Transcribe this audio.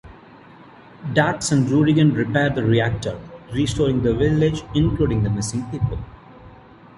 Dax and Rurigan repair the reactor, restoring the village, including the missing people.